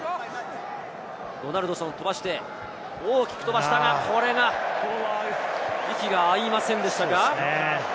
ドナルドソン飛ばして、大きく飛ばしたが、これは息が合いませんでしたか？